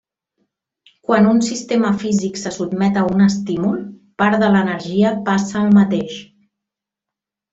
Quan un sistema físic se sotmet a un estímul, part de l'energia passa al mateix.